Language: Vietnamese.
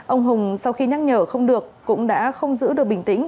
ông hùng sau khi nhắc nhở không được cũng đã không giữ được bình tĩnh